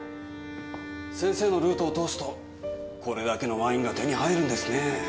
先生のルートを通すとこれだけのワインが手に入るんですねぇ。